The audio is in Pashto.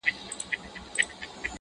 ژبور او سترګور دواړه په ګور دي،